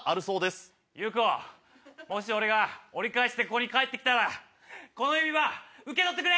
もし俺が折り返してここにかえってきたら、この指輪、受け取ってくれ。